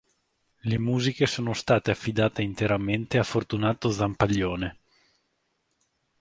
Le musiche sono state affidate interamente a "Fortunato Zampaglione".